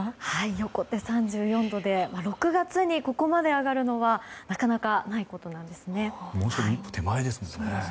横手で３４度で６月でここまで上がるのはなかなかないことなんですね。